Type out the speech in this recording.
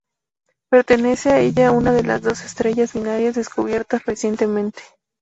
Pertenece a ella una de las dos estrellas binarias descubiertas recientemente.